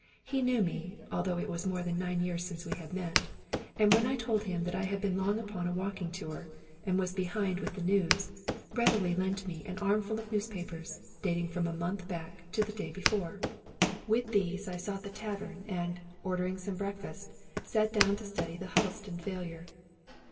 He knew me, although it was more than nine years since we had met ; and when I told him that I had been long upon a walking tour, and was behind with the news, readily lent me an armful of newspapers, dating from a month back to the day before. 178 Robert Louis Stevenson With these I sought the tavern, and, ordering some break fast, sat down to study the " Huddlestone Failure."